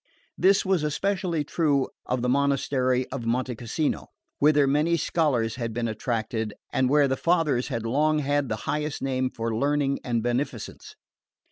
This was especially true of the monastery of Monte Cassino, whither many scholars had been attracted and where the fathers had long had the highest name for learning and beneficence.